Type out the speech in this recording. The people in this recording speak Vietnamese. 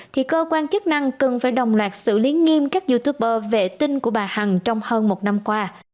thì cơ quan chức năng cần phải đồng loạt xử lý nghiêm các youtuber vệ tinh của bà hằng trong hơn một năm qua